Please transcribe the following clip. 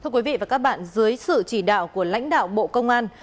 thưa quý vị và các bạn dưới sự chỉ đạo của lãnh đạo bộ công an